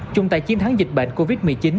chung tay chiến thắng dịch bệnh covid một mươi chín